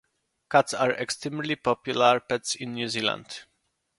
Cats are extremely popular pets in New Zealand.